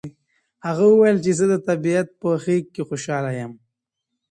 هغه وویل چې زه د طبیعت په غېږ کې خوشحاله یم.